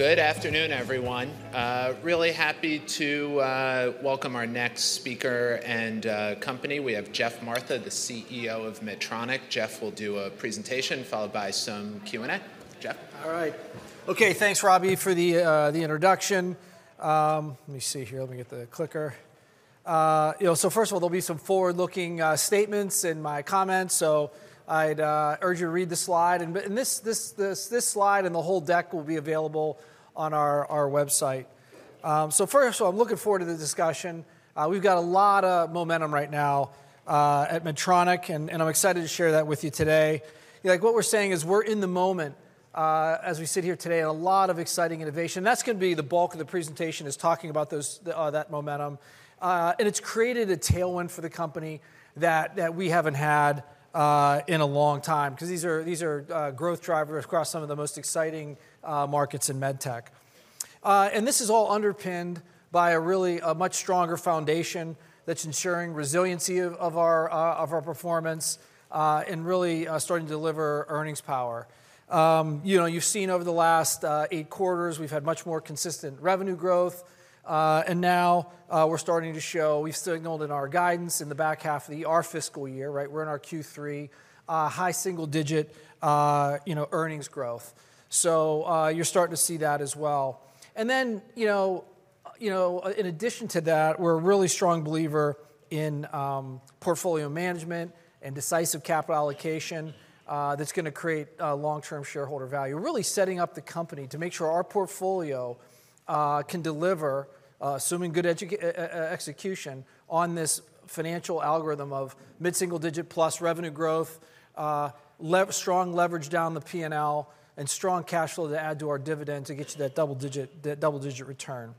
Good afternoon, everyone. Really happy to welcome our next speaker and company. We have Geoff Martha, the CEO of Medtronic. Geoff will do a presentation followed by some Q&A. Geoff? All right. Okay, thanks, Robbie, for the introduction. Let me see here. Let me get the clicker. So first of all, there'll be some forward-looking statements in my comments. So I'd urge you to read the slide, and this slide and the whole deck will be available on our website. So first of all, I'm looking forward to the discussion. We've got a lot of momentum right now at Medtronic, and I'm excited to share that with you today. What we're saying is we're in the moment as we sit here today and a lot of exciting innovation. That's going to be the bulk of the presentation, is talking about that momentum, and it's created a tailwind for the company that we haven't had in a long time because these are growth drivers across some of the most exciting markets in med tech. This is all underpinned by a really much stronger foundation that's ensuring resiliency of our performance and really starting to deliver earnings power. You've seen over the last eight quarters we've had much more consistent revenue growth. And now we're starting to show we've signaled in our guidance in the back half of our fiscal year, right? We're in our Q3, high single-digit earnings growth. So you're starting to see that as well. And then in addition to that, we're a really strong believer in portfolio management and decisive capital allocation that's going to create long-term shareholder value, really setting up the company to make sure our portfolio can deliver, assuming good execution, on this financial algorithm of mid-single-digit plus revenue growth, strong leverage down the P&L, and strong cash flow to add to our dividend to get you that double-digit return.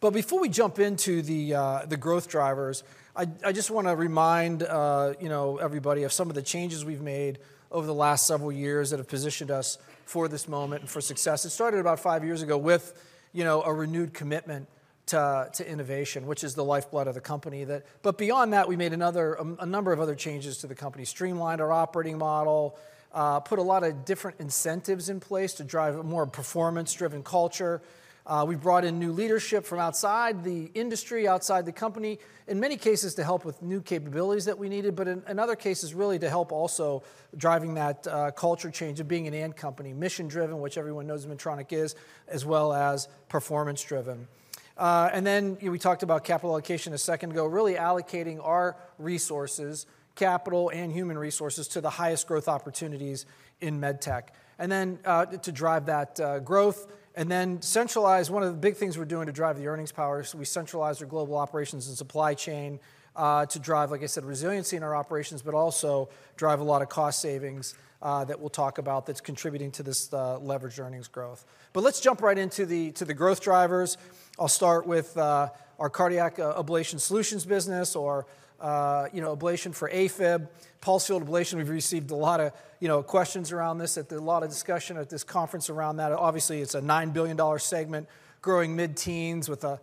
But before we jump into the growth drivers, I just want to remind everybody of some of the changes we've made over the last several years that have positioned us for this moment and for success. It started about five years ago with a renewed commitment to innovation, which is the lifeblood of the company. But beyond that, we made a number of other changes to the company, streamlined our operating model, put a lot of different incentives in place to drive a more performance-driven culture. We brought in new leadership from outside the industry, outside the company, in many cases to help with new capabilities that we needed, but in other cases, really to help also driving that culture change of being an 'and' company, mission-driven, which everyone knows Medtronic is, as well as performance-driven. Then we talked about capital allocation a second ago, really allocating our resources, capital and human resources, to the highest growth opportunities in med tech, and then to drive that growth. Then centralize, one of the big things we're doing to drive the earnings power is we centralize our global operations and supply chain to drive, like I said, resiliency in our operations, but also drive a lot of cost savings that we'll talk about that's contributing to this leveraged earnings growth. But let's jump right into the growth drivers. I'll start with our cardiac ablation solutions business or ablation for AFib, pulsed field ablation. We've received a lot of questions around this, a lot of discussion at this conference around that. Obviously, it's a $9 billion segment, growing mid-teens with a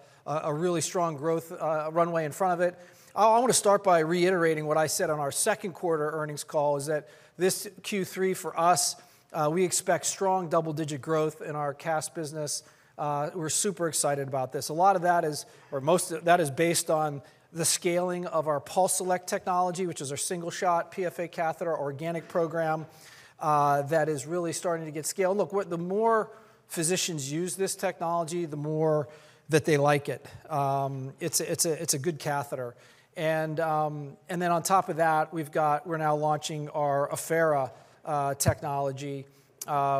really strong growth runway in front of it. I want to start by reiterating what I said on our second quarter earnings call, that this Q3 for us, we expect strong double-digit growth in our CASP business. We're super excited about this. A lot of that is, or most of that is based on the scaling of our PulseSelect technology, which is our single-shot PFA catheter organic program that is really starting to get scaled. Look, the more physicians use this technology, the more that they like it. It's a good catheter. And then on top of that, we've got we now launching our Affera technology,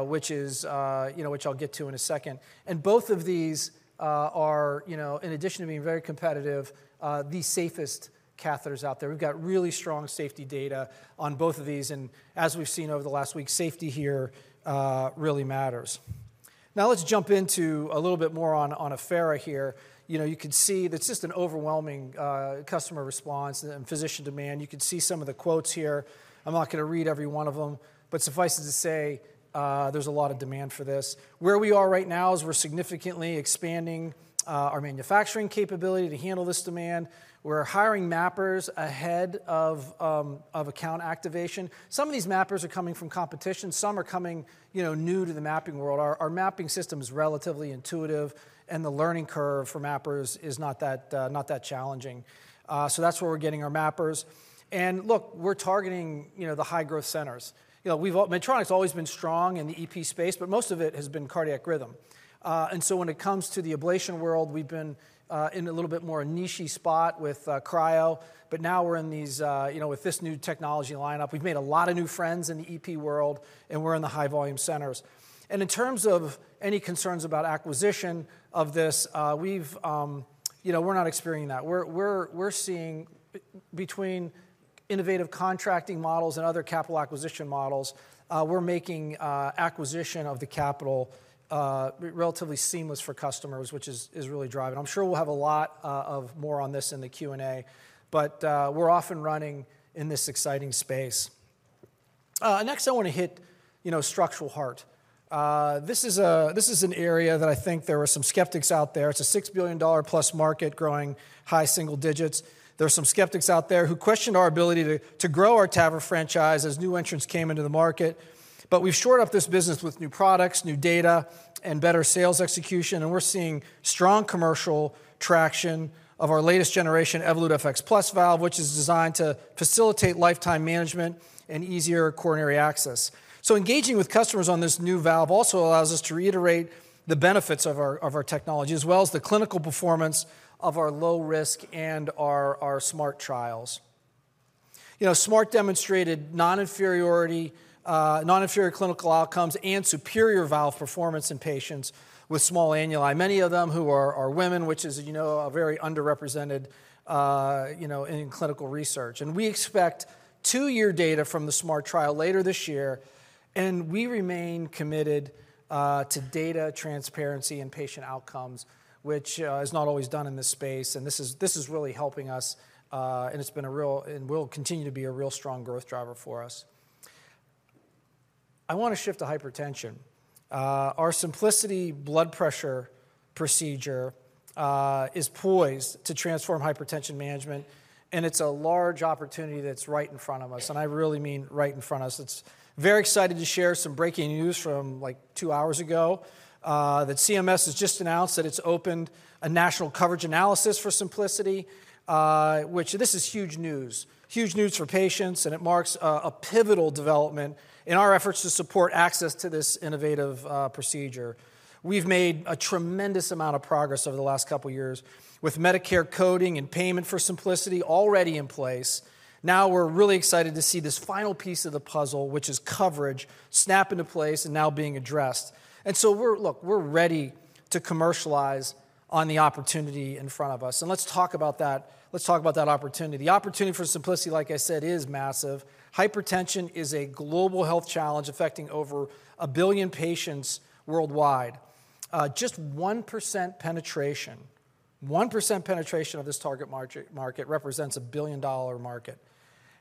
which I'll get to in a second. And both of these are, in addition to being very competitive, the safest catheters out there. We've got really strong safety data on both of these. And as we've seen over the last week, safety here really matters. Now let's jump into a little bit more on Affera here. You can see it's just an overwhelming customer response and physician demand. You can see some of the quotes here. I'm not going to read every one of them, but suffice it to say, there's a lot of demand for this. Where we are right now is we're significantly expanding our manufacturing capability to handle this demand. We're hiring mappers ahead of account activation. Some of these mappers are coming from competition. Some are coming new to the mapping world. Our mapping system is relatively intuitive, and the learning curve for mappers is not that challenging. So that's where we're getting our mappers. And look, we're targeting the high-growth centers. Medtronic's always been strong in the EP space, but most of it has been cardiac rhythm. And so when it comes to the ablation world, we've been in a little bit more niche spot with cryo. But now we're in these, with this new technology lineup, we've made a lot of new friends in the EP world, and we're in the high-volume centers. And in terms of any concerns about acquisition of this, we're not experiencing that. We're seeing, between innovative contracting models and other capital acquisition models, we're making acquisition of the capital relatively seamless for customers, which is really driving. I'm sure we'll have a lot more on this in the Q&A, but we're off and running in this exciting space. Next, I want to hit structural heart. This is an area that I think there were some skeptics out there. It's a $6 billion-plus market, growing high single digits. There are some skeptics out there who questioned our ability to grow our TAVR franchise as new entrants came into the market, but we've shored up this business with new products, new data, and better sales execution, and we're seeing strong commercial traction of our latest generation Evolut FX+ valve, which is designed to facilitate lifetime management and easier coronary access, so engaging with customers on this new valve also allows us to reiterate the benefits of our technology, as well as the clinical performance of our Low Risk and our SMART trials. SMART demonstrated non-inferior clinical outcomes and superior valve performance in patients with small annuli, many of them who are women, which is a very underrepresented in clinical research, and we expect two-year data from the SMART trial later this year. We remain committed to data transparency and patient outcomes, which is not always done in this space. This is really helping us, and it's been a real, and will continue to be a real strong growth driver for us. I want to shift to hypertension. Our Symplicity blood pressure procedure is poised to transform hypertension management, and it's a large opportunity that's right in front of us. I really mean right in front of us. It's very exciting to share some breaking news from like two hours ago that CMS has just announced that it's opened a national coverage analysis for Symplicity, which this is huge news, huge news for patients, and it marks a pivotal development in our efforts to support access to this innovative procedure. We've made a tremendous amount of progress over the last couple of years with Medicare coding and payment for Symplicity already in place. Now we're really excited to see this final piece of the puzzle, which is coverage, snap into place and now being addressed. And so look, we're ready to commercialize on the opportunity in front of us. And let's talk about that. Let's talk about that opportunity. The opportunity for Symplicity, like I said, is massive. Hypertension is a global health challenge affecting over a billion patients worldwide. Just 1% penetration, 1% penetration of this target market represents a billion-dollar market.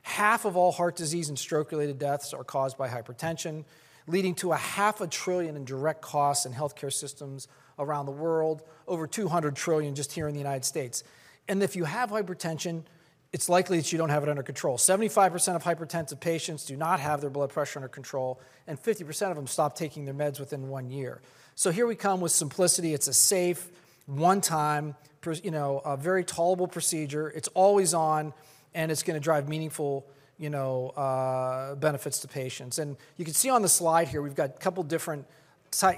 Half of all heart disease and stroke-related deaths are caused by hypertension, leading to $500 billion in direct costs in healthcare systems around the world, over $200 billion just here in the United States. And if you have hypertension, it's likely that you don't have it under control. 75% of hypertensive patients do not have their blood pressure under control, and 50% of them stop taking their meds within one year. So here we come with Symplicity. It's a safe, one-time, very tolerable procedure. It's always on, and it's going to drive meaningful benefits to patients. And you can see on the slide here, we've got a couple of different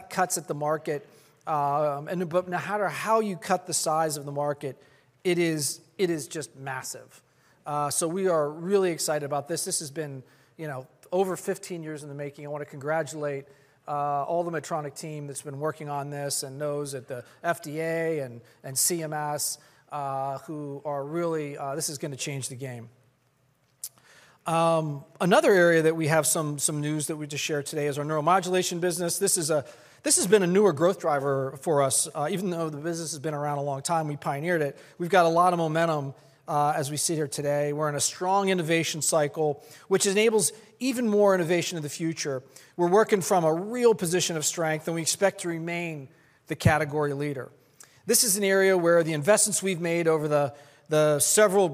cuts of the market. But no matter how you cut the size of the market, it is just massive. So we are really excited about this. This has been over 15 years in the making. I want to congratulate all the Medtronic team that's been working on this and the folks at the FDA and CMS who are really, this is going to change the game. Another area that we have some news that we just shared today is our neuromodulation business. This has been a newer growth driver for us. Even though the business has been around a long time, we pioneered it. We've got a lot of momentum as we sit here today. We're in a strong innovation cycle, which enables even more innovation in the future. We're working from a real position of strength, and we expect to remain the category leader. This is an area where the investments we've made over the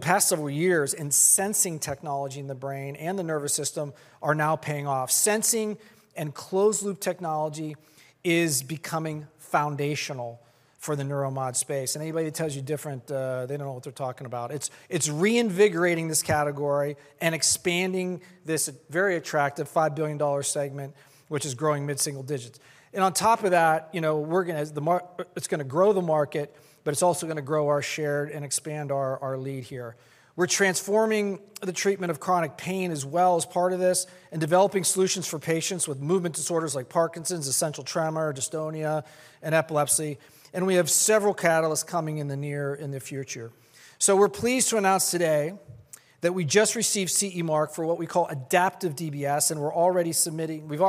past several years in sensing technology in the brain and the nervous system are now paying off. Sensing and closed-loop technology is becoming foundational for the neuromod space. And anybody that tells you different, they don't know what they're talking about. It's reinvigorating this category and expanding this very attractive $5 billion segment, which is growing mid-single digits. And on top of that, it's going to grow the market, but it's also going to grow our share and expand our lead here. We're transforming the treatment of chronic pain as well as part of this and developing solutions for patients with movement disorders like Parkinson's, essential tremor, dystonia, and epilepsy. And we have several catalysts coming in the near and the future. So we're pleased to announce today that we just received CE mark for what we call adaptive DBS, and we've already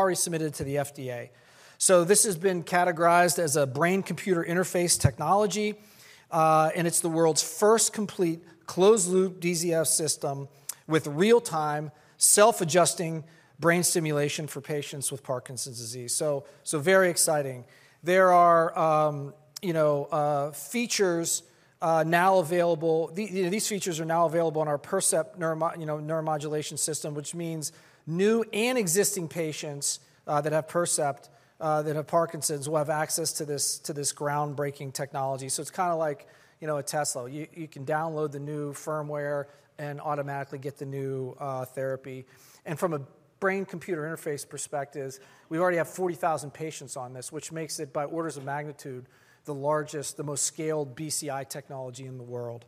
submitted to the FDA. So this has been categorized as a brain-computer interface technology, and it's the world's first complete closed-loop DBS system with real-time self-adjusting brain stimulation for patients with Parkinson's disease. So very exciting. There are features now available. These features are now available on our Percept neuromodulation system, which means new and existing patients that have Percept, that have Parkinson's, will have access to this groundbreaking technology. So it's kind of like a Tesla. You can download the new firmware and automatically get the new therapy. And from a brain-computer interface perspective, we already have 40,000 patients on this, which makes it, by orders of magnitude, the largest, the most scaled BCI technology in the world.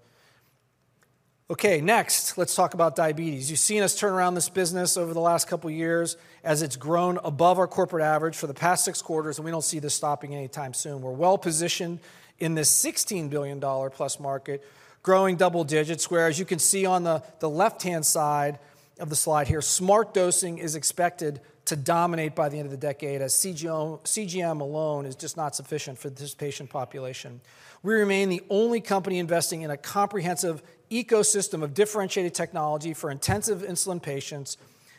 Okay, next, let's talk about diabetes. You've seen us turn around this business over the last couple of years as it's grown above our corporate average for the past six quarters, and we don't see this stopping anytime soon. We're well positioned in this $16 billion-plus market, growing double digits, where, as you can see on the left-hand side of the slide here, smart dosing is expected to dominate by the end of the decade, as CGM alone is just not sufficient for this patient population. We remain the only company investing in a comprehensive ecosystem of differentiated technology for intensive insulin patients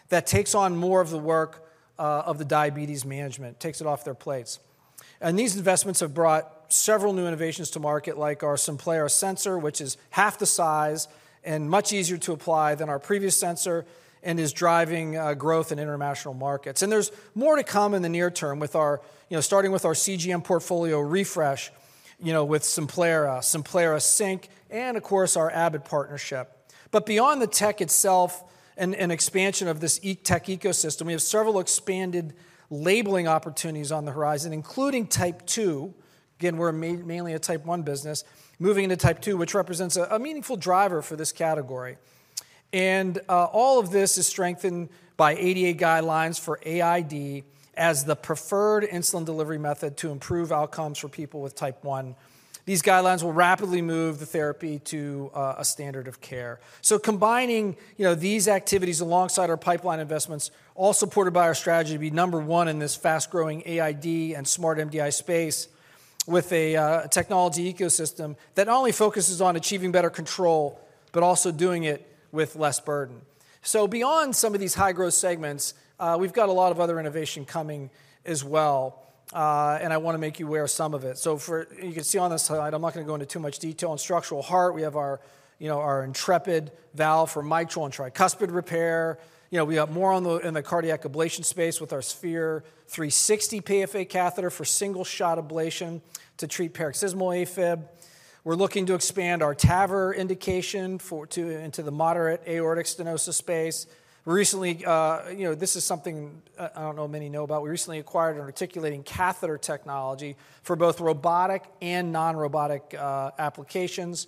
that takes on more of the work of the diabetes management, takes it off their plates, and these investments have brought several new innovations to market, like our Simplera sensor, which is half the size and much easier to apply than our previous sensor and is driving growth in international markets, and there's more to come in the near term, starting with our CGM portfolio refresh with Simplera, Simplera Sync, and of course, our Abbott partnership. But beyond the tech itself and expansion of this tech ecosystem, we have several expanded labeling opportunities on the horizon, including Type 2. Again, we're mainly a Type 1 business, moving into Type 2, which represents a meaningful driver for this category. And all of this is strengthened by ADA guidelines for AID as the preferred insulin delivery method to improve outcomes for people with Type 1. These guidelines will rapidly move the therapy to a standard of care. So combining these activities alongside our pipeline investments, all supported by our strategy to be number one in this fast-growing AID and Smart MDI space with a technology ecosystem that not only focuses on achieving better control, but also doing it with less burden. Beyond some of these high-growth segments, we've got a lot of other innovation coming as well, and I want to make you aware of some of it. You can see on this slide. I'm not going to go into too much detail on structural heart. We have our Intrepid valve for mitral and tricuspid repair. We have more in the cardiac ablation space with our Sphere-360 PFA catheter for single-shot ablation to treat paroxysmal AFib. We're looking to expand our TAVR indication into the moderate aortic stenosis space. This is something I don't know many know about. We recently acquired an articulating catheter technology for both robotic and non-robotic applications.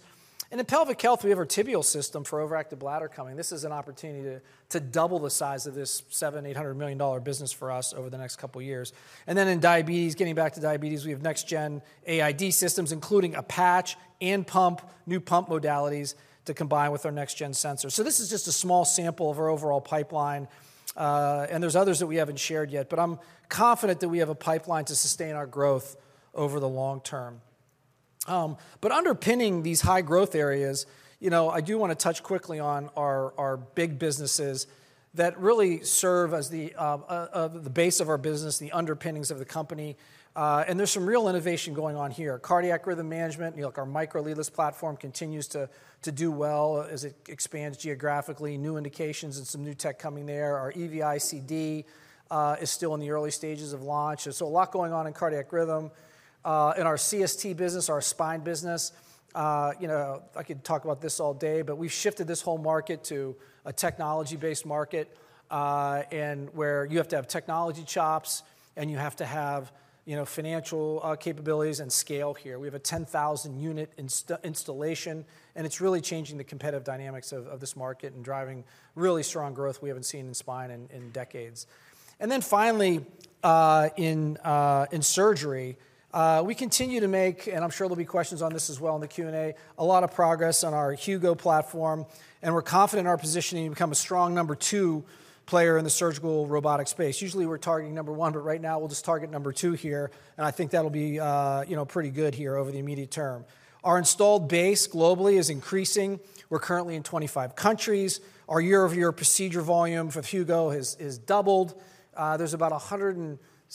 In pelvic health, we have our tibial system for overactive bladder coming. This is an opportunity to double the size of this $700 million-$800 million business for us over the next couple of years. And then in diabetes, getting back to diabetes, we have next-gen AID systems, including a patch and pump, new pump modalities to combine with our next-gen sensor. So this is just a small sample of our overall pipeline, and there's others that we haven't shared yet, but I'm confident that we have a pipeline to sustain our growth over the long term. But underpinning these high-growth areas, I do want to touch quickly on our big businesses that really serve as the base of our business, the underpinnings of the company. And there's some real innovation going on here. Cardiac rhythm management, our Micra leadless platform continues to do well as it expands geographically, new indications and some new tech coming there. Our EV-ICD is still in the early stages of launch. So a lot going on in cardiac rhythm. In our CST business, our spine business, I could talk about this all day, but we've shifted this whole market to a technology-based market where you have to have technology chops, and you have to have financial capabilities and scale here. We have a 10,000-unit installation, and it's really changing the competitive dynamics of this market and driving really strong growth we haven't seen in spine in decades. And then finally, in surgery, we continue to make, and I'm sure there'll be questions on this as well in the Q&A, a lot of progress on our Hugo platform, and we're confident in our positioning to become a strong number two player in the surgical robotic space. Usually, we're targeting number one, but right now we'll just target number two here, and I think that'll be pretty good here over the immediate term. Our installed base globally is increasing. We're currently in 25 countries. Our year-over-year procedure volume with Hugo has doubled. There's about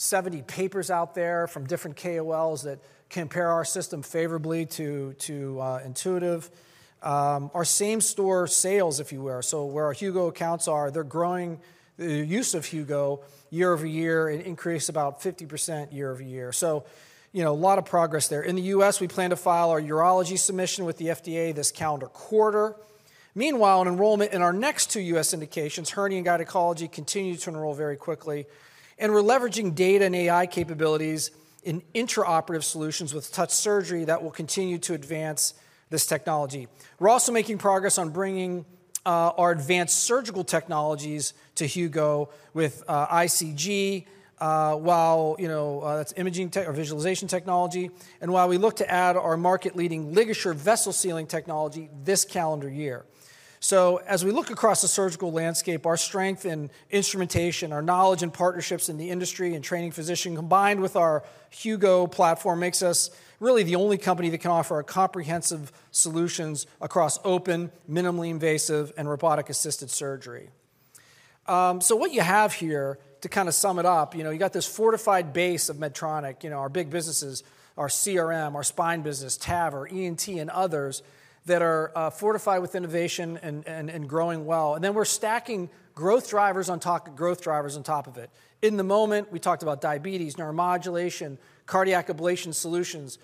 170 papers out there from different KOLs that compare our system favorably to Intuitive. Our same store sales, if you were, so where our Hugo accounts are, they're growing the use of Hugo year over year and increased about 50% year over year. So a lot of progress there. In the U.S., we plan to file our urology submission with the FDA this calendar quarter. Meanwhile, enrollment in our next two U.S. indications, hernia and gynecology, continues to enroll very quickly. And we're leveraging data and AI capabilities in intraoperative solutions with Touch Surgery that will continue to advance this technology. We're also making progress on bringing our advanced surgical technologies to Hugo with ICG, while that's imaging visualization technology, and while we look to add our market-leading LigaSure vessel sealing technology this calendar year. As we look across the surgical landscape, our strength in instrumentation, our knowledge and partnerships in the industry and training physician combined with our Hugo platform makes us really the only company that can offer comprehensive solutions across open, minimally invasive, and robotic-assisted surgery. What you have here to kind of sum it up, you got this fortified base of Medtronic, our big businesses, our CRM, our spine business, TAVR, ENT, and others that are fortified with innovation and growing well. Then we're stacking growth drivers on top of it. At the moment, we talked about diabetes, neuromodulation, Cardiac Ablation Solutions.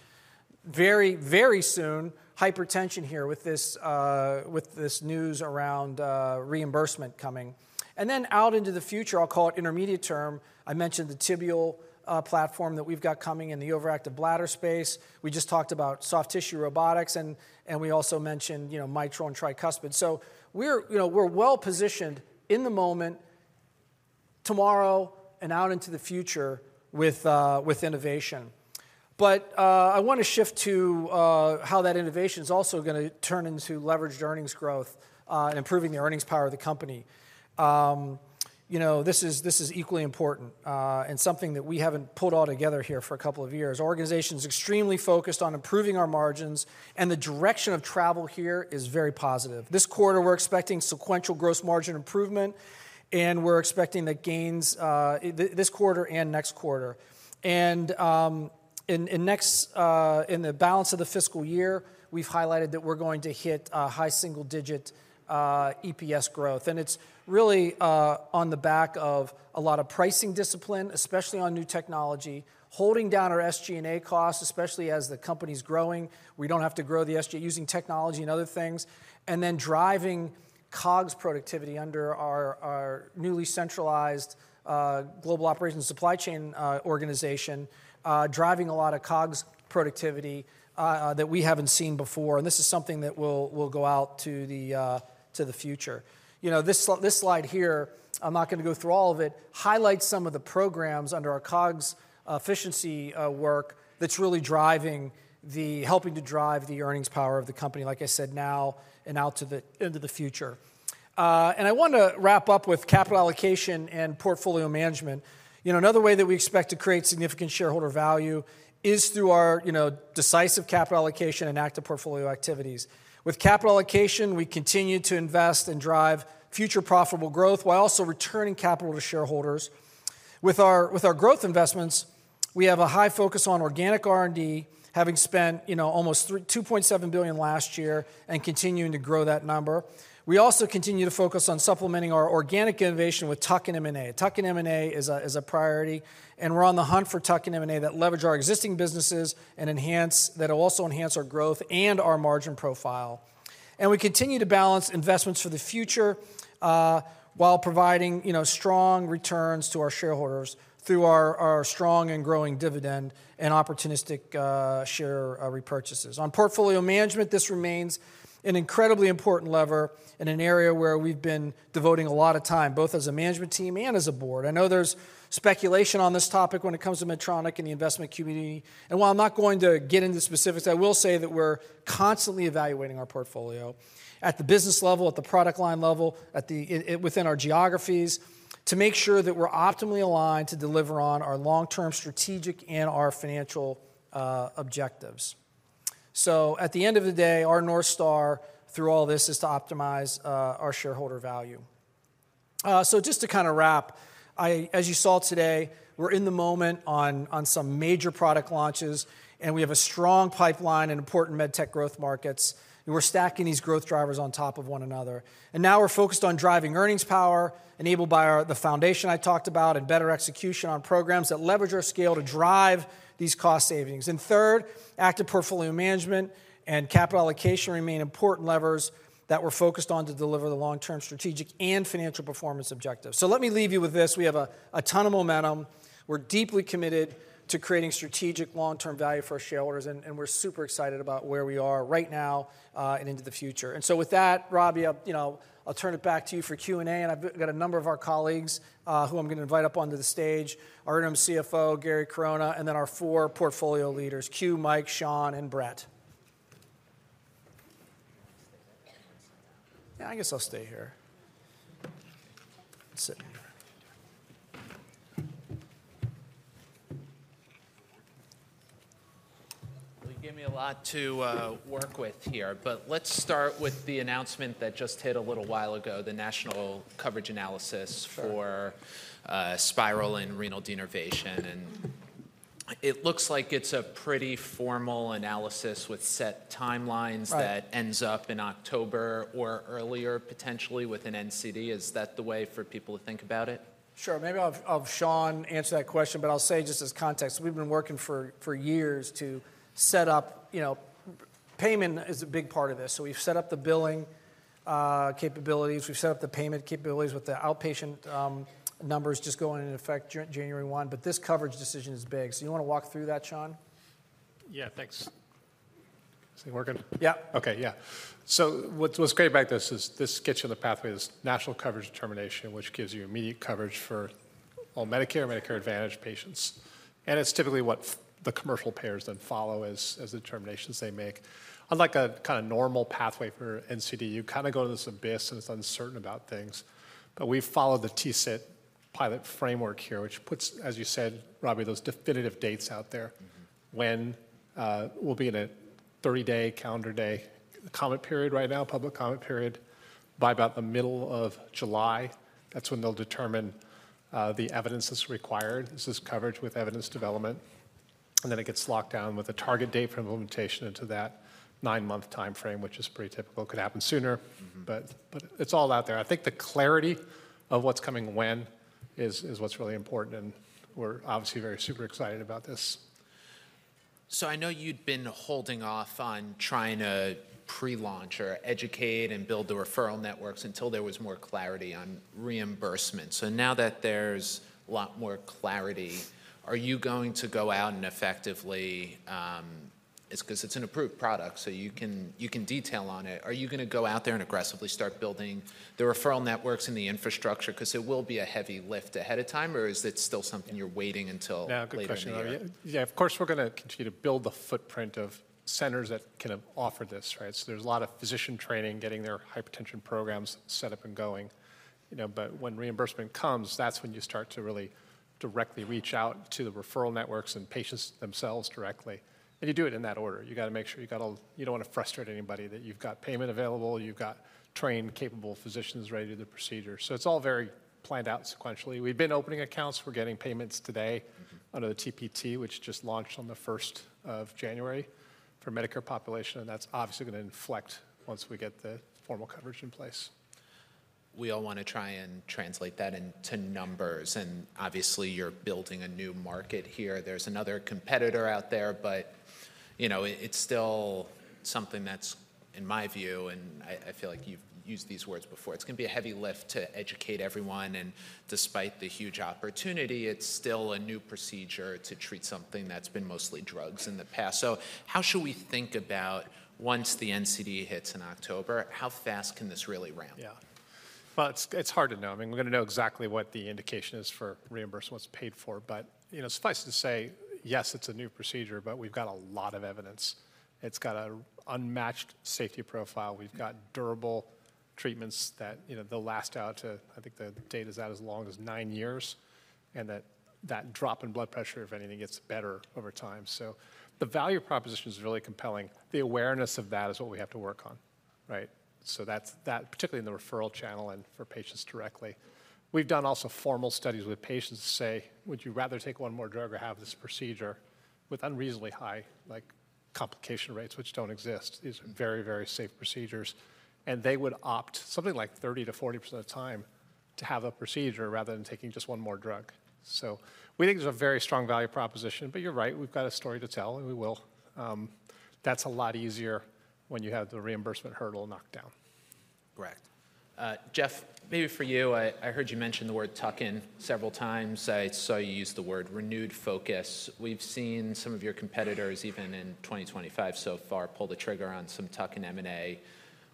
Very, very soon, hypertension here with this news around reimbursement coming. Then out into the future, I'll call it intermediate term, I mentioned the tibial platform that we've got coming in the overactive bladder space. We just talked about soft tissue robotics, and we also mentioned mitral and tricuspid. So we're well positioned in the moment, tomorrow, and out into the future with innovation. But I want to shift to how that innovation is also going to turn into leveraged earnings growth, improving the earnings power of the company. This is equally important and something that we haven't pulled all together here for a couple of years. Our organization is extremely focused on improving our margins, and the direction of travel here is very positive. This quarter, we're expecting sequential gross margin improvement, and we're expecting the gains this quarter and next quarter. In the balance of the fiscal year, we've highlighted that we're going to hit high single-digit EPS growth. It's really on the back of a lot of pricing discipline, especially on new technology, holding down our SG&A costs, especially as the company's growing. We don't have to grow the SG&A using technology and other things, and then driving COGS productivity under our newly centralized global operations supply chain organization, driving a lot of COGS productivity that we haven't seen before. And this is something that will go out to the future. This slide here, I'm not going to go through all of it, highlights some of the programs under our COGS efficiency work that's really helping to drive the earnings power of the company, like I said, now and out into the future. And I want to wrap up with capital allocation and portfolio management. Another way that we expect to create significant shareholder value is through our decisive capital allocation and active portfolio activities. With capital allocation, we continue to invest and drive future profitable growth while also returning capital to shareholders. With our growth investments, we have a high focus on organic R&D, having spent almost $2.7 billion last year and continuing to grow that number. We also continue to focus on supplementing our organic innovation with tuck-in M&A. tuck-in M&A is a priority, and we're on the hunt for tuck-in M&A that leverage our existing businesses that will also enhance our growth and our margin profile. And we continue to balance investments for the future while providing strong returns to our shareholders through our strong and growing dividend and opportunistic share repurchases. On portfolio management, this remains an incredibly important lever in an area where we've been devoting a lot of time, both as a management team and as a board. I know there's speculation on this topic when it comes to Medtronic and the investment community. And while I'm not going to get into specifics, I will say that we're constantly evaluating our portfolio at the business level, at the product line level, within our geographies to make sure that we're optimally aligned to deliver on our long-term strategic and our financial objectives. So at the end of the day, our North Star through all this is to optimize our shareholder value. So just to kind of wrap, as you saw today, we're in the moment on some major product launches, and we have a strong pipeline and important medtech growth markets, and we're stacking these growth drivers on top of one another. And now we're focused on driving earnings power enabled by the foundation I talked about and better execution on programs that leverage our scale to drive these cost savings. And third, active portfolio management and capital allocation remain important levers that we're focused on to deliver the long-term strategic and financial performance objectives. So let me leave you with this. We have a ton of momentum. We're deeply committed to creating strategic long-term value for our shareholders, and we're super excited about where we are right now and into the future. And so with that, Rob, I'll turn it back to you for Q&A, and I've got a number of our colleagues who I'm going to invite up onto the stage, our Interim CFO, Gary Corona, and then our four portfolio leaders, Q, Mike, Sean, and Brett. Yeah, I guess I'll stay here. You gave me a lot to work with here, but let's start with the announcement that just hit a little while ago, the national coverage analysis for Spyral and renal denervation, and it looks like it's a pretty formal analysis with set timelines that ends up in October or earlier, potentially, with an NCD. Is that the way for people to think about it? Sure. Maybe I'll have Sean answer that question, but I'll say just as context, we've been working for years to set up. Payment is a big part of this. So we've set up the billing capabilities. We've set up the payment capabilities with the outpatient numbers just going into effect January 1, but this coverage decision is big. So you want to walk through that, Sean? Yeah, thanks. So what's great about this is this sketch of the pathway, this national coverage determination, which gives you immediate coverage for all Medicare and Medicare Advantage patients. And it's typically what the commercial payers then follow as the determinations they make. Unlike a kind of normal pathway for NCD, you kind of go into this abyss and it's uncertain about things. But we follow the TCET pilot framework here, which puts, as you said, Robbie, those definitive dates out there. When? We'll be in a 30-day, calendar day comment period right now, public comment period, by about the middle of July. That's when they'll determine the evidence that's required. This is coverage with evidence development. And then it gets locked down with a target date for implementation into that nine-month timeframe, which is pretty typical. It could happen sooner, but it's all out there. I think the clarity of what's coming when is what's really important, and we're obviously very super excited about this. So I know you'd been holding off on trying to pre-launch or educate and build the referral networks until there was more clarity on reimbursement. So now that there's a lot more clarity, are you going to go out and effectively, because it's an approved product, so you can detail on it, are you going to go out there and aggressively start building the referral networks and the infrastructure because it will be a heavy lift ahead of time, or is it still something you're waiting until later? Yeah, good question. Yeah, of course, we're going to continue to build the footprint of centers that can offer this. So there's a lot of physician training getting their hypertension programs set up and going. But when reimbursement comes, that's when you start to really directly reach out to the referral networks and patients themselves directly. And you do it in that order. You got to make sure you don't want to frustrate anybody that you've got payment available, you've got trained, capable physicians ready to do the procedure. So it's all very planned out sequentially. We've been opening accounts. We're getting payments today under the TPT, which just launched on the 1st of January for Medicare population, and that's obviously going to inflect once we get the formal coverage in place. We all want to try and translate that into numbers. And obviously, you're building a new market here. There's another competitor out there, but it's still something that's, in my view, and I feel like you've used these words before, it's going to be a heavy lift to educate everyone. Despite the huge opportunity, it's still a new procedure to treat something that's been mostly drugs in the past. How should we think about once the NCD hits in October, how fast can this really ramp? Yeah. It's hard to know. I mean, we're going to know exactly what the indication is for reimbursement, what's paid for. But suffice to say, yes, it's a new procedure, but we've got a lot of evidence. It's got an unmatched safety profile. We've got durable treatments that they'll last out to, I think the data is out as long as nine years, and that drop in blood pressure, if anything, gets better over time. The value proposition is really compelling. The awareness of that is what we have to work on, right? That's particularly in the referral channel and for patients directly. We've also done formal studies with patients to say, "Would you rather take one more drug or have this procedure?" with unreasonably high complication rates, which don't exist. These are very, very safe procedures. And they would opt something like 30%-40% of the time to have a procedure rather than taking just one more drug. So we think there's a very strong value proposition, but you're right. We've got a story to tell, and we will. That's a lot easier when you have the reimbursement hurdle knocked down. Correct. Geoff, maybe for you, I heard you mention the word tuck-in several times. I saw you use the word renewed focus. We've seen some of your competitors, even in 2025 so far, pull the trigger on some tuck-in and M&A.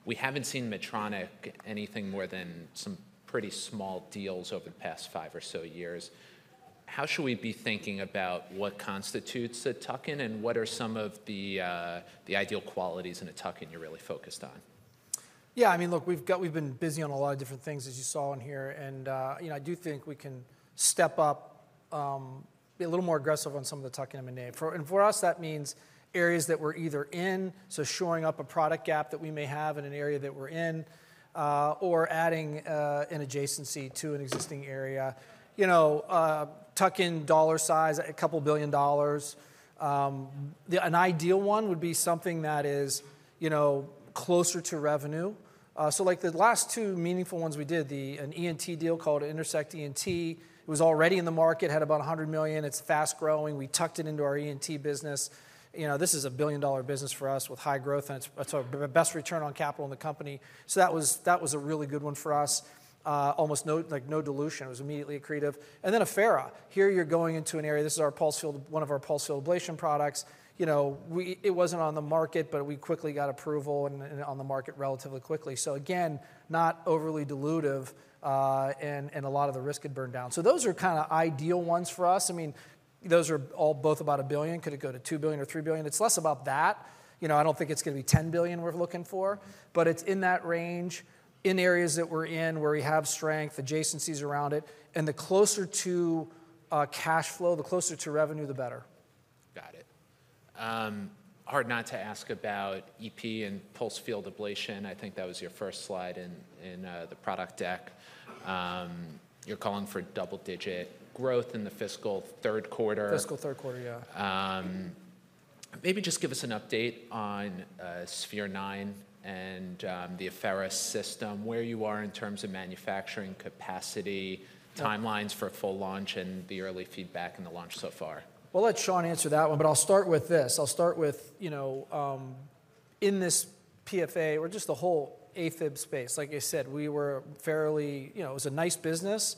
We haven't seen Medtronic anything more than some pretty small deals over the past five or so years. How should we be thinking about what constitutes a tuck-in and what are some of the ideal qualities in a tuck-in you're really focused on? Yeah, I mean, look, we've been busy on a lot of different things, as you saw in here. And I do think we can step up, be a little more aggressive on some of the tuck-in M&A. And for us, that means areas that we're either in, so shoring up a product gap that we may have in an area that we're in, or adding an adjacency to an existing area. Tuck-in dollar size, a couple of billion dollars. An ideal one would be something that is closer to revenue. So the last two meaningful ones we did, an ENT deal called Intersect ENT, it was already in the market, had about $100 million. It's fast growing. We tucked it into our ENT business. This is a billion-dollar business for us with high growth, and it's our best return on capital in the company. So that was a really good one for us. Almost no dilution. It was immediately accretive. And then Affera. Here you're going into an area. This is one of our pulsed field ablation products. It wasn't on the market, but we quickly got approval and on the market relatively quickly. So again, not overly dilutive, and a lot of the risk had burned down. So those are kind of ideal ones for us. I mean, those are all both about a billion. Could it go to two billion or three billion? It's less about that. I don't think it's going to be $10 billion we're looking for, but it's in that range in areas that we're in where we have strength, adjacencies around it. And the closer to cash flow, the closer to revenue, the better. Got it. Hard not to ask about EP and pulsed field ablation. I think that was your first slide in the product deck. You're calling for double-digit growth in the fiscal third quarter. Fiscal third quarter, yeah. Maybe just give us an update on Sphere-9 and the Affera system, where you are in terms of manufacturing capacity, timelines for full launch, and the early feedback in the launch so far. Well, let Sean answer that one, but I'll start with this. I'll start with in this PFA or just the whole AFib space. Like I said, we were fairly, it was a nice business,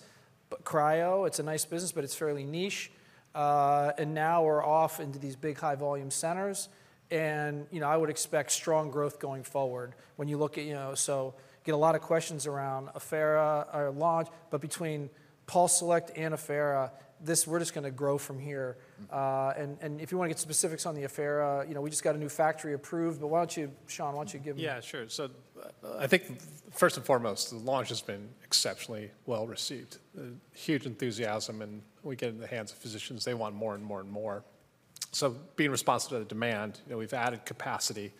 but cryo, it's a nice business, but it's fairly niche. Now we're off into these big high-volume centers. I would expect strong growth going forward. When you look at so get a lot of questions around Affera's launch, but between PulseSelect and Affera, we're just going to grow from here. If you want to get specifics on the Affera, we just got a new factory approved, but why don't you, Sean, why don't you give me? Yeah, sure. So I think first and foremost, the launch has been exceptionally well received. Huge enthusiasm, and we get it in the hands of physicians. They want more and more and more. Being responsive to the demand, we've added capacity.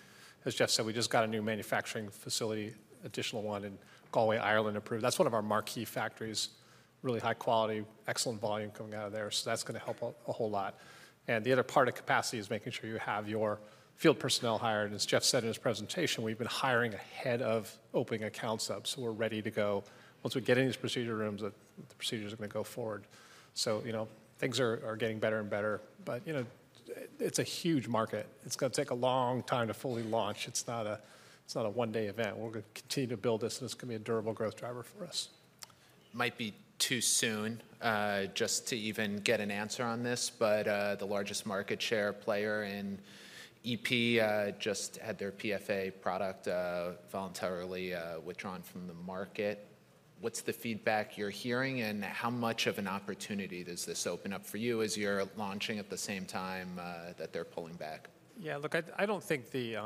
As Geoff said, we just got a new manufacturing facility, additional one in Galway, Ireland approved. That's one of our marquee factories, really high quality, excellent volume coming out of there. So that's going to help a whole lot. And the other part of capacity is making sure you have your field personnel hired. And as Geoff said in his presentation, we've been hiring ahead of opening accounts up. So we're ready to go. Once we get in these procedure rooms, the procedures are going to go forward. So things are getting better and better, but it's a huge market. It's going to take a long time to fully launch. It's not a one-day event. We're going to continue to build this, and it's going to be a durable growth driver for us. Might be too soon just to even get an answer on this, but the largest market share player in EP just had their PFA product voluntarily withdrawn from the market. What's the feedback you're hearing, and how much of an opportunity does this open up for you as you're launching at the same time that they're pulling back? Yeah, look, I don't think the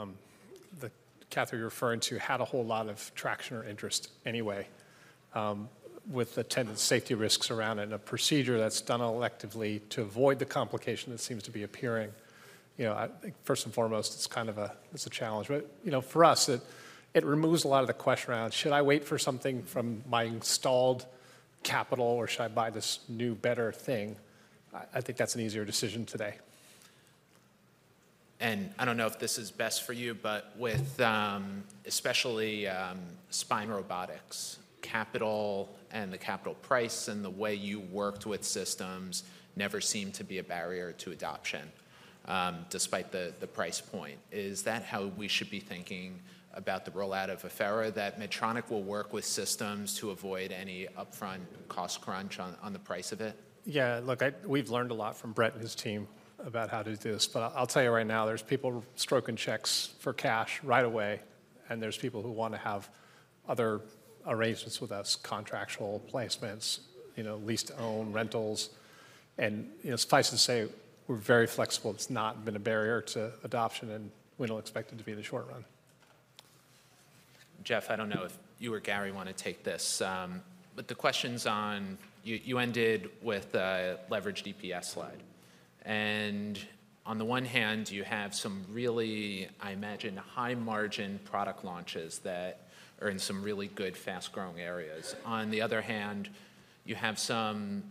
cath you're referring to had a whole lot of traction or interest anyway with the attendant safety risks around it and a procedure that's done electively to avoid the complication that seems to be appearing. First and foremost, it's kind of a challenge. But for us, it removes a lot of the question around, should I wait for something from my installed capital, or should I buy this new better thing? I think that's an easier decision today. I don't know if this is best for you, but with especially spine robotics, capital and the capital price and the way you worked with systems never seem to be a barrier to adoption despite the price point. Is that how we should be thinking about the rollout of Affera, that Medtronic will work with systems to avoid any upfront cost crunch on the price of it? Yeah, look, we've learned a lot from Brett and his team about how to do this. I'll tell you right now, there's people writing checks for cash right away, and there's people who want to have other arrangements with us, contractual placements, lease-to-own rentals. Suffice to say, we're very flexible. It's not been a barrier to adoption, and we don't expect it to be in the short run. Geoff, I don't know if you or Gary want to take this, but the questions on you ended with the leveraged EPS slide, and on the one hand, you have some really, I imagine, high-margin product launches that are in some really good fast-growing areas. On the other hand, you have some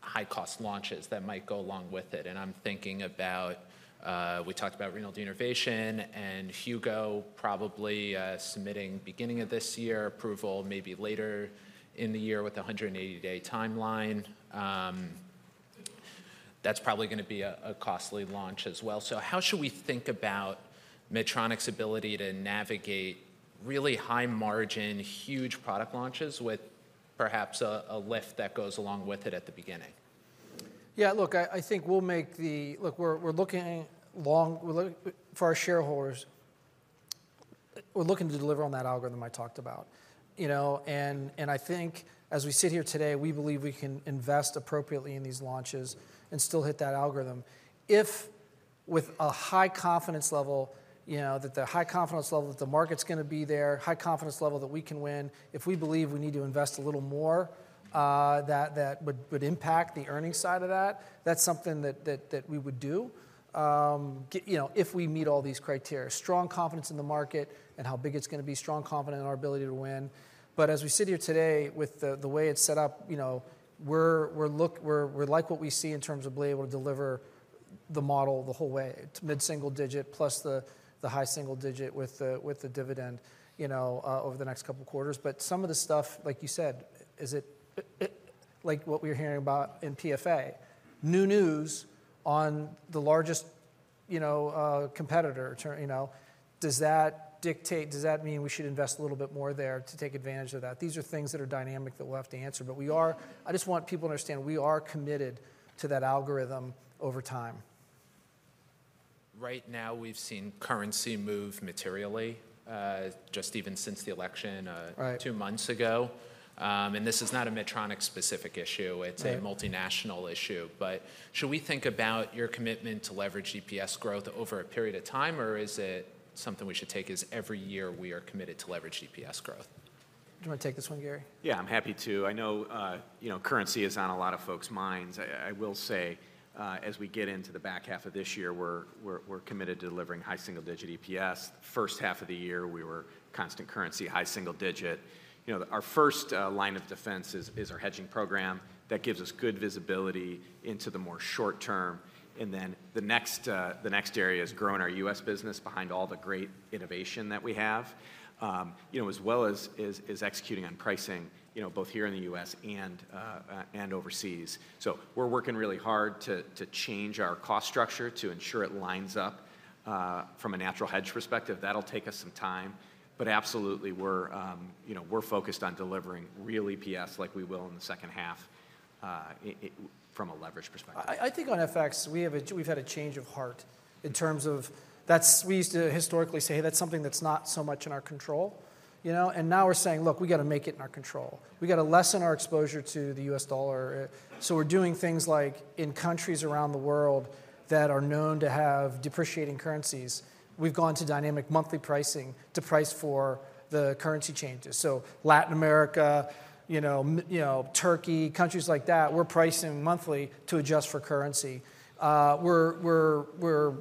high-cost launches that might go along with it. And I'm thinking about, we talked about renal denervation and Hugo probably submitting beginning of this year approval, maybe later in the year with a 180-day timeline. That's probably going to be a costly launch as well. So how should we think about Medtronic's ability to navigate really high-margin, huge product launches with perhaps a lift that goes along with it at the beginning? Yeah, look, I think we'll make the look, we're looking for our shareholders. We're looking to deliver on that algorithm I talked about. I think as we sit here today, we believe we can invest appropriately in these launches and still hit that algorithm. If, with a high confidence level that the market's going to be there, high confidence level that we can win, we believe we need to invest a little more, that would impact the earnings side of that. That's something that we would do if we meet all these criteria: strong confidence in the market and how big it's going to be, strong confidence in our ability to win. As we sit here today with the way it's set up, we're like what we see in terms of being able to deliver the model the whole way. It's mid-single digit plus the high single digit with the dividend over the next couple of quarters. But some of the stuff, like you said, is it like what we're hearing about in PFA? New news on the largest competitor, does that dictate? Does that mean we should invest a little bit more there to take advantage of that? These are things that are dynamic that we'll have to answer. But I just want people to understand we are committed to that algorithm over time. Right now, we've seen currency move materially just even since the election two months ago. And this is not a Medtronic-specific issue. It's a multinational issue. But should we think about your commitment to leverage EPS growth over a period of time, or is it something we should take as every year we are committed to leverage EPS growth? Do you want to take this one, Gary? Yeah, I'm happy to. I know currency is on a lot of folks' minds. I will say as we get into the back half of this year, we're committed to delivering high single-digit EPS. First half of the year, we were constant currency, high single digit. Our first line of defense is our hedging program. That gives us good visibility into the more short term, and then the next area is growing our U.S. business behind all the great innovation that we have, as well as executing on pricing both here in the U.S. and overseas, so we're working really hard to change our cost structure to ensure it lines up from a natural hedge perspective. That'll take us some time, but absolutely, we're focused on delivering real EPS like we will in the second half from a leverage perspective. I think on FX, we've had a change of heart in terms of we used to historically say, "Hey, that's something that's not so much in our control." And now we're saying, "Look, we got to make it in our control. We got to lessen our exposure to the US dollar." So we're doing things like in countries around the world that are known to have depreciating currencies, we've gone to dynamic monthly pricing to price for the currency changes. So Latin America, Turkey, countries like that, we're pricing monthly to adjust for currency. We're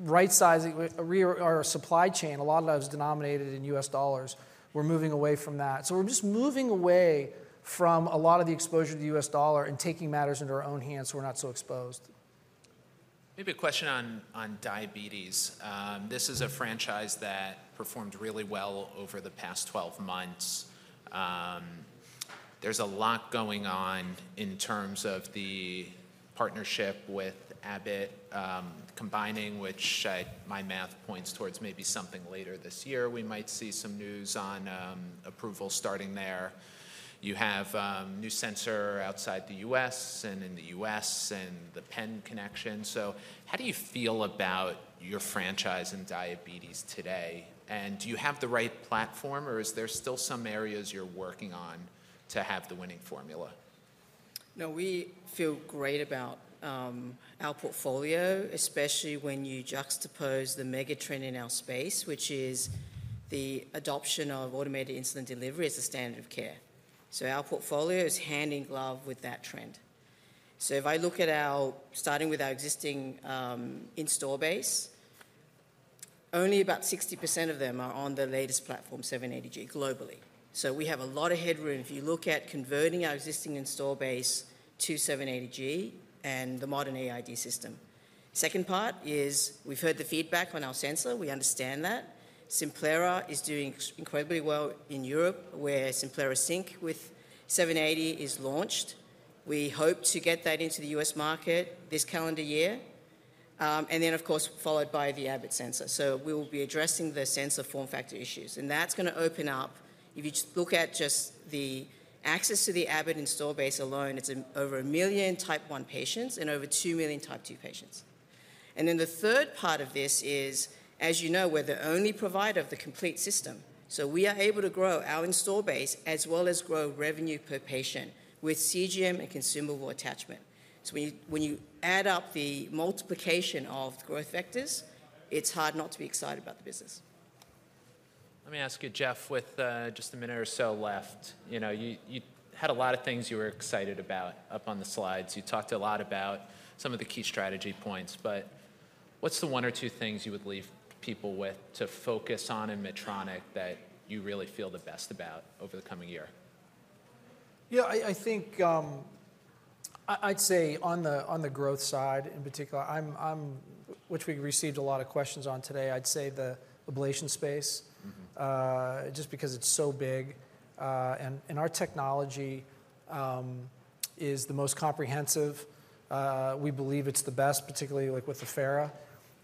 right-sizing our supply chain. A lot of that is denominated in US dollars. We're moving away from that. So we're just moving away from a lot of the exposure to the US dollar and taking matters into our own hands so we're not so exposed. Maybe a question on diabetes. This is a franchise that performed really well over the past 12 months. There's a lot going on in terms of the partnership with Abbott combining, which my math points towards maybe something later this year. We might see some news on approval starting there. You have NuSensor outside the U.S. and in the U.S. and the pen connection. So how do you feel about your franchise and diabetes today? And do you have the right platform, or is there still some areas you're working on to have the winning formula? No, we feel great about our portfolio, especially when you juxtapose the mega trend in our space, which is the adoption of automated insulin delivery as a standard of care. So our portfolio is hand in glove with that trend. If I look at ours starting with our existing installed base, only about 60% of them are on the latest platform, 780G, globally. We have a lot of headroom. If you look at converting our existing installed base to 780G and the modern AID system. Second part is we've heard the feedback on our sensor. We understand that. Simplera is doing incredibly well in Europe, where Simplera Sync with 780 is launched. We hope to get that into the U.S. market this calendar year. Then, of course, followed by the Abbott sensor. We will be addressing the sensor form factor issues. That's going to open up if you look at just the access to the Abbott installed base alone; it's over 1 million type 1 patients and over 2 million type 2 patients. And then the third part of this is, as you know, we're the only provider of the complete system. So we are able to grow our installed base as well as grow revenue per patient with CGM and consumable attachment. So when you add up the multiplication of growth vectors, it's hard not to be excited about the business. Let me ask you, Geoff, with just a minute or so left. You had a lot of things you were excited about up on the slides. You talked a lot about some of the key strategy points. But what's the one or two things you would leave people with to focus on in Medtronic that you really feel the best about over the coming year? Yeah, I think I'd say on the growth side in particular, which we received a lot of questions on today. I'd say the ablation space just because it's so big. And our technology is the most comprehensive. We believe it's the best, particularly with Affera.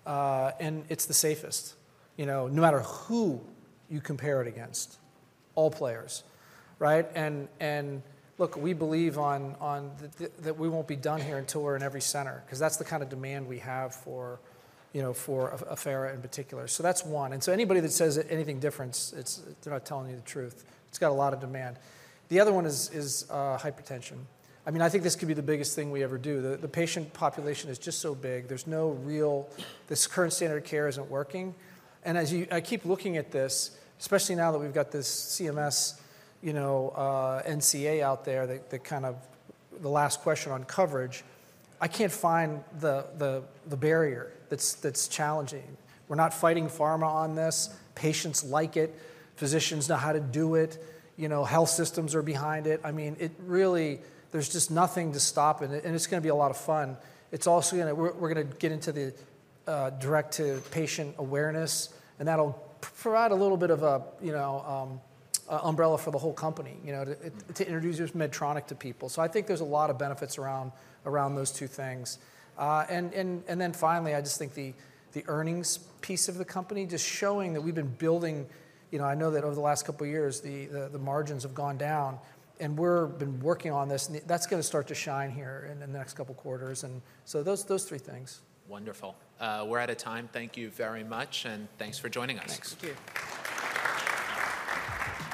And it's the safest no matter who you compare it against, all players. And look, we believe that we won't be done here until we're in every center because that's the kind of demand we have for Affera in particular. So that's one. And so anybody that says anything different, they're not telling you the truth. It's got a lot of demand. The other one is hypertension. I mean, I think this could be the biggest thing we ever do. The patient population is just so big. There's no real current standard of care isn't working. And as I keep looking at this, especially now that we've got this CMS NCA out there, the kind of the last question on coverage, I can't find the barrier that's challenging. We're not fighting pharma on this. Patients like it. Physicians know how to do it. Health systems are behind it. I mean, really, there's just nothing to stop it. And it's going to be a lot of fun. We're going to get into the direct-to-patient awareness, and that'll provide a little bit of an umbrella for the whole company to introduce Medtronic to people. So I think there's a lot of benefits around those two things. And then finally, I just think the earnings piece of the company just showing that we've been building. I know that over the last couple of years, the margins have gone down, and we've been working on this. That's going to start to shine here in the next couple of quarters, and so those three things. Wonderful. We're out of time. Thank you very much, and thanks for joining us. Thanks. Thank you.